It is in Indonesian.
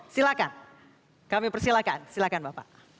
silakan kami persilahkan silakan bapak